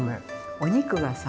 お肉がさ